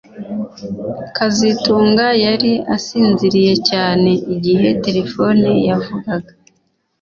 kazitunga yari asinziriye cyane igihe terefone yavugaga